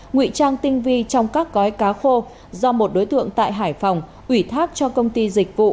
nguy trang tinh vi trong các gói cá khô do một đối tượng tại hải phòng ủy thác cho công ty dịch vụ